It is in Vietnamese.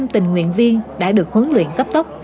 một trăm linh tình nguyện viên đã được huấn luyện cấp tốc